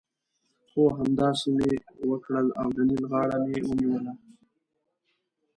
هو! همداسې مې وکړل او د نېل غاړه مې ونیوله.